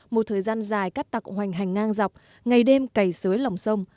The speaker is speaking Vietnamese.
một thời gian dài cát tạc hoành hành ngang dọc ngày đêm cày sới lòng sông